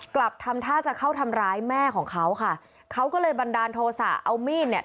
กลับทำท่าจะเข้าทำร้ายแม่ของเขาค่ะเขาก็เลยบันดาลโทษะเอามีดเนี่ย